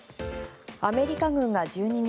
アメリカ軍が１２日